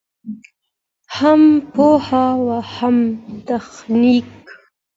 هم پوهه او هم تخنیک.